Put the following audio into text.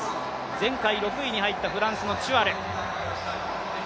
前回６位に入ったフランスのチュアル。